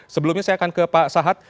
sebelumnya saya akan ke pak sahat